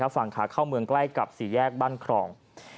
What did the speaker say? ฝั่งขาเข้าเมืองใกล้กับสี่แยกบ้านครอง